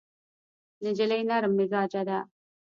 نجلۍ نرم مزاجه ده.